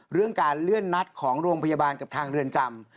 เรื่องการเลื่อนนัดของโรงพยาบาลกับทางเรือนจำ